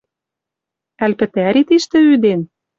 Ӓль пӹтӓри тиштӹ ӱден?